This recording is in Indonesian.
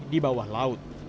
di bawah laut